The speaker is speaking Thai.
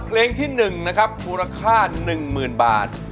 เพลงที่๑นะครับมูลค่า๑๐๐๐บาท